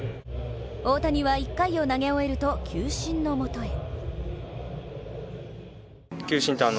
大谷は１回を投げ終えると球審のもとへ。